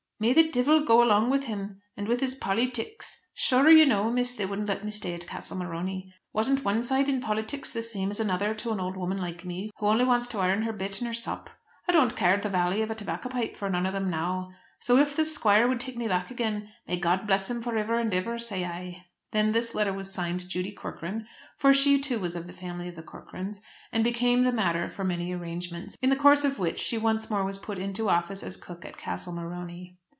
May the deevil go along with him, and with his pollytiks. Sure you know, miss, they wouldn't let me stay at Castle Morony. Wasn't one side in pollitiks the same as another to an old woman like me, who only wants to 'arn her bit and her sup? I don't care the vally of a tobacco pipe for none of them now. So if the squire would take me back again, may God bless him for iver and iver, say I." Then this letter was signed Judy Corcoran, for she too was of the family of the Corcorans, and became the matter for many arrangements, in the course of which she once more was put into office as cook at Castle Morony.